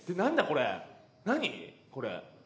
これ。